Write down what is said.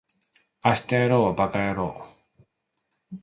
明日やろうはバカやろう